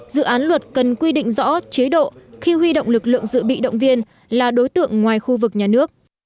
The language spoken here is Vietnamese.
dự án luật cần quy định rõ chế độ khi huy động lực lượng dự bị động viên là đối tượng ngoài khu vực nhà nước